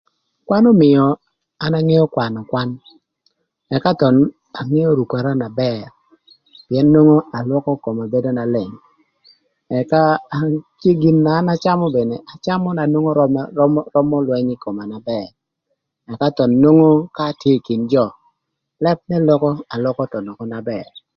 Kwan ömïö an angeo kwanö kwan, ëka thon angeo rukara na bër, pïën nwongo alwökö koma bedo na leng, ëka an gin na an acamö mene acamö na nwongo römö lwëny ï koma na bër, ëka thon nwongo ka an atye ï kin jö, lëp n'eloko, aloko thon ökö na bër.